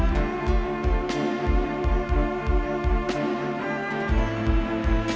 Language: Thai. ทุกคนพร้อมแล้วขอเสียงปลุ่มมือต้อนรับ๑๒สาวงามในชุดราตรีได้เลยค่ะ